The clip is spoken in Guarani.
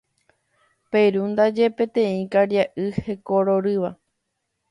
Peru ndaje peteĩ karia'y hekororýva.